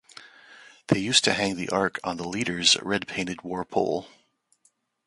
They used to hang the ark on the leader's red-painted war pole.